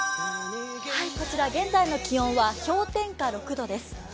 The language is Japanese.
こちら現在の気温は氷点下６度です。